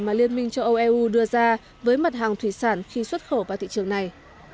mà liên minh châu âu eu đưa ra với mặt hàng thủy sản khi xuất khẩu vào thị trường này